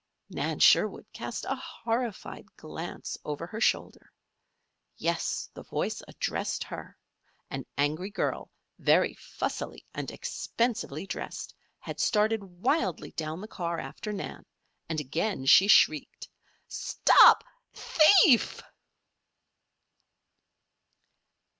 Nan Sherwood cast a horrified glance over her shoulder. Yes! the voice addressed her. An angry girl, very fussily and expensively dressed, had started wildly down the car after Nan, and again she shrieked: "Stop thief!"